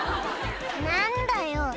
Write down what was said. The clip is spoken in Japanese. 「何だよ